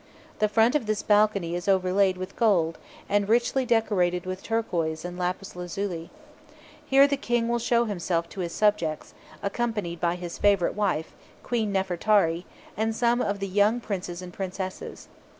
The front of this balcony is overlaid with gold, and richly decorated with turquoise and lapis lazuli. Here the King will show himself to his subjects, accompanied by his favourite wife, Queen Nefertari, and some of the young Princes and Princesses.